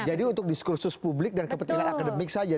jadi untuk diskursus publik dan kepentingan akademik saja